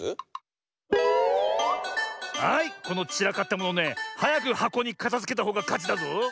はいこのちらかったものねはやくはこにかたづけたほうがかちだぞ。